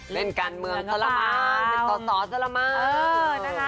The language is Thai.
เล่นการเมืองตลอดสอดตลอด